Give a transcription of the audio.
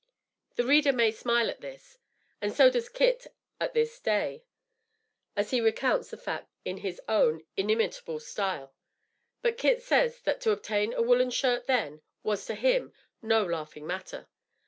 The reader may smile at this; and, so does Kit at this day, as he recounts the fact in his own inimitable style. But Kit says that to obtain a woollen shirt then, was, to him, no laughing matter.